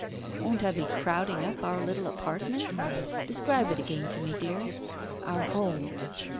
"Won't I be crowding up our little apartment? Describe it again to me, dearest — our home.''